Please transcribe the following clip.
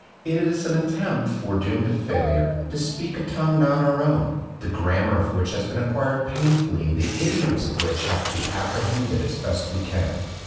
It is an attempt, foredoomed to failure, to speak a tongue not our own, the grammar of which has been acquired painfully and the idioms of which have to be appre hended as best we can.